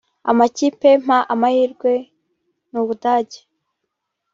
Amakipe mpa amahirwe n’Ubudage